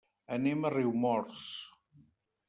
Anem a Riumors.